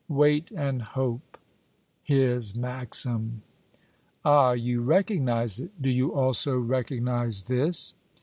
"'Wait and hope!'" "His maxim!" "Ah! you recognize it. Do you also recognize this?"